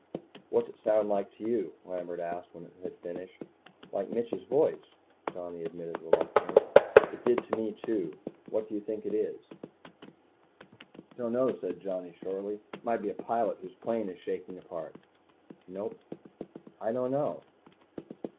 "What's it sound like to you?" Lambert asked when it had finished. "Like Mitch's voice," Johnny admitted reluctantly. "It did to me, too. What do you think it is?" "Don't know," said Johnny shortly. "Might be a pilot whose plane is shaking apart." "No." "I don't know."